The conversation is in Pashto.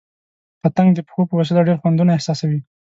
پتنګ د پښو په وسیله ډېر خوندونه احساسوي.